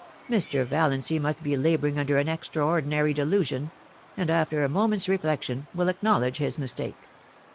Mr. Valiancy must be .labouring under an extraordinary delusion, and, after a moment's reflection, will acknowledge his mistake.